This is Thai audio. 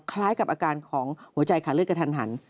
คล้ายกับอาการของหัวใจขาเลือดกระทันหัน